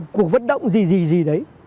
cuộc vận động gì gì gì đấy